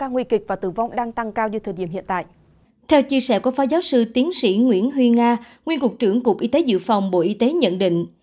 giáo sư tiến sĩ nguyễn huy nga nguyên cục trưởng cục y tế dự phòng bộ y tế nhận định